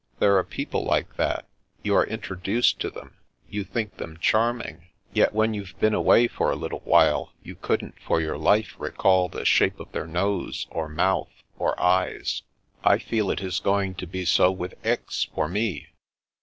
There are people like that. You are introduced to them; you think them charming; yet when you've been away for a little while you couldn't for your life recall the shape of their nose, or mouth, or eyes. I feel it is going to be so with Aix, for me."